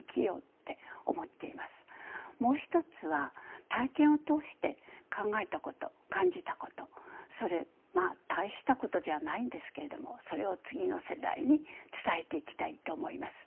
もう一つは体験を通して考えたこと感じたことそれまあ大したことじゃないんですけれどもそれを次の世代に伝えていきたいと思います。